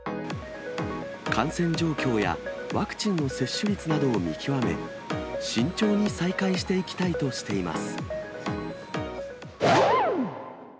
感染状況やワクチンの接種率などを見極め、慎重に再開していきたいとしています。